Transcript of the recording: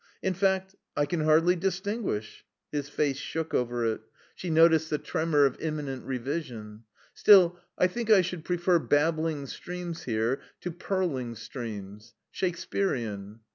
In fact, I can hardly distinguish " His face shook over it; she noticed the tremor of imminent revision. "Still, I think I should prefer 'babbling streams' here to 'purling streams.' Shakespearean."